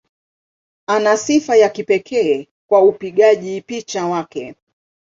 Ana sifa ya kipekee kwa upigaji picha wake.